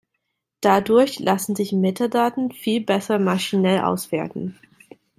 Dadurch lassen sich Metadaten viel besser maschinell auswerten.